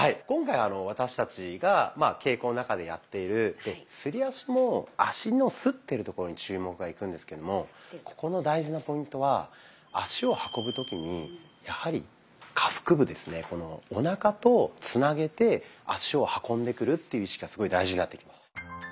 今回私たちが稽古の中でやっているすり足も足のすってるところに注目がいくんですけどもここの大事なポイントは足を運ぶ時にやはり下腹部ですねおなかとつなげて足を運んでくるっていう意識がすごい大事になってきます。